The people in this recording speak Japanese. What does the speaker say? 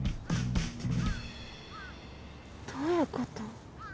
どういうこと？